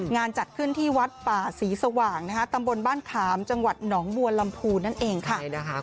จัดขึ้นที่วัดป่าศรีสว่างตำบลบ้านขามจังหวัดหนองบัวลำพูนั่นเองค่ะ